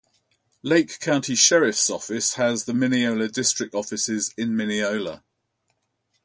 Lake County Sheriff's Office has the Minneola District offices in Minneola.